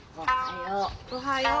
おはよう。